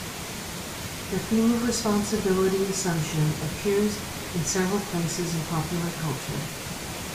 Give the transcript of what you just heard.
The theme of responsibility assumption appears in several places in popular culture.